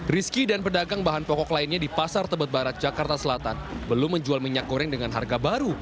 rizky dan pedagang bahan pokok lainnya di pasar tebet barat jakarta selatan belum menjual minyak goreng dengan harga baru